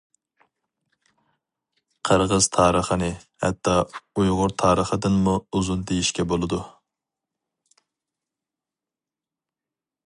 قىرغىز تارىخىنى ھەتتا ئۇيغۇر تارىخىدىنمۇ ئۇزۇن دېيىشكە بولىدۇ.